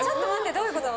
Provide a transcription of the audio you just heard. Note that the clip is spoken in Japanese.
どういうこと？